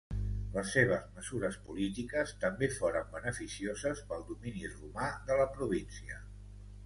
Les seves mesures polítiques també foren beneficioses pel domini romà de la província.